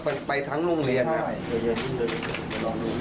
มันไปทั้งรุ่งเรียนครับ